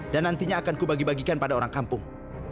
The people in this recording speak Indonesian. dan nantinya akan kubagi bagikan pada orang kampung